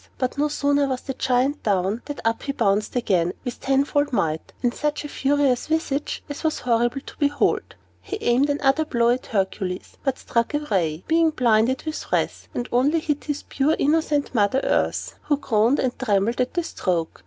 But no sooner was the Giant down, than up he bounced again, with tenfold might, and such a furious visage as was horrible to behold. He aimed another blow at Hercules, but struck awry, being blinded with wrath, and only hit his poor innocent Mother Earth, who groaned and trembled at the stroke.